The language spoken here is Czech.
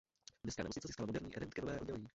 Městská nemocnice získala moderní rentgenové oddělení.